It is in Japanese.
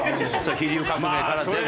飛龍革命からでも。